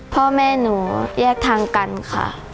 พ่อแม่หนูแยกทางกันค่ะ